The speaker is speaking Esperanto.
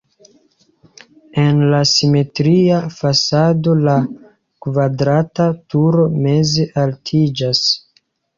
En la simetria fasado la kvadrata turo meze altiĝas.